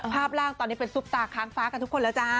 ภาพร่างตอนนี้เป็นซุปตาค้างฟ้ากันทุกคนแล้วจ้า